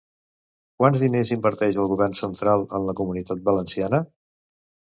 Quants diners inverteix el govern central en la Comunitat Valenciana?